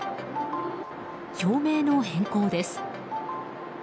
照明の変更です。